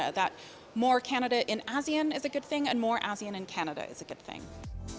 bahwa lebih banyak kanada di asean adalah hal yang baik dan lebih banyak asean di kanada adalah hal yang baik